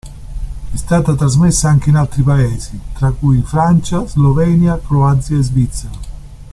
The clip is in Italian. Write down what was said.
È stata trasmessa anche in altri Paesi, tra cui Francia, Slovenia, Croazia e Svizzera.